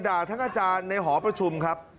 ทั้งอาจารย์ในหอประชุมครับ